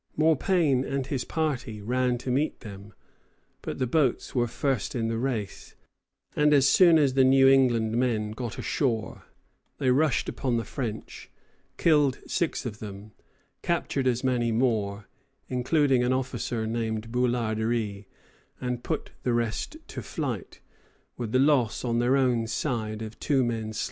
Morpain and his party ran to meet them; but the boats were first in the race, and as soon as the New England men got ashore, they rushed upon the French, killed six of them, captured as many more, including an officer named Boularderie, and put the rest to flight, with the loss, on their own side, of two men slightly wounded.